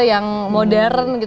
yang modern gitu